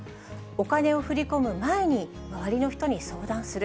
お金を振り込む前に、周りの人に相談する。